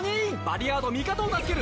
リヤード味方を助ける！